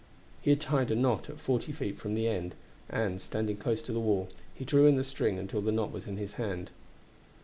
He had tied a knot at forty feet from the end, and, standing close to the wall, he drew in the string until the knot was in his hand.